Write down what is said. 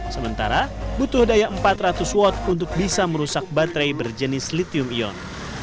sementara butuh daya empat ratus watt untuk bisa merusak baterai berjenis lithium ion